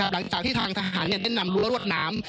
หลังจากที่ทางทหารแนะนำรัวรวดหนาม